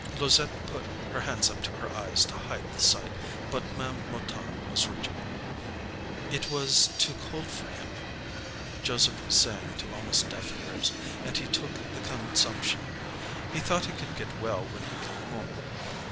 Louisette put her hands up to her eyes to hide the sight, but Ma'am Mouton was rigid. "It was too cold for him," Joseph was saying to almost deaf ears, "and he took the consumption. He thought he could get well when he come home.